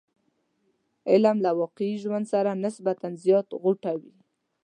علم له واقعي ژوند سره نسبتا زیات غوټه وي.